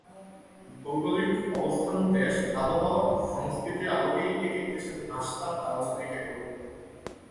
ভৌগোলিক অবস্থান, দেশ, আবহাওয়া, সংস্কৃতির আলোকেই একেক দেশের নাশতার আয়োজন একেক রকম।